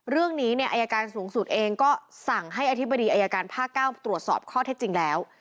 เรื่องนี้เนี่ยอายการสูงสุดเองก็สั่งให้อธิบดีอายการภาค๙ตรวจสอบข้อเท็จจริงแล้ว